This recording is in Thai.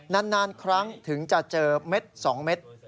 นานครั้งถึงจะเจอเม็ด๒เม็ด